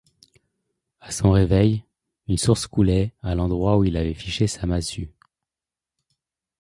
À son réveil une source coulait à l'endroit où il avait fiché sa massue.